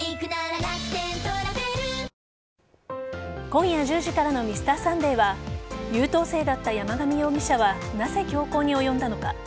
今夜１０時からの「Ｍｒ．サンデー」は優等生だった山上容疑者はなぜ凶行に及んだのか。